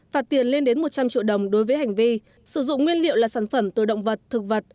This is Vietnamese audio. phạt tiền lên đến một trăm linh triệu đồng đối với hành vi sử dụng nguyên liệu là sản phẩm từ động vật thực vật